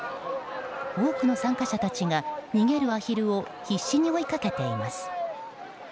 多くの参加者たちが逃げるアヒルを必死に追いかけています。